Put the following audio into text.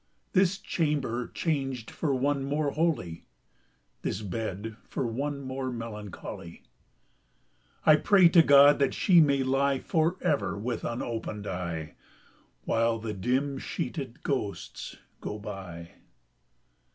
This chamber changed for one more holy, This bed for one more melancholy, I pray to God that she may lie For ever with unopened eye, While the dim sheeted ghosts go by!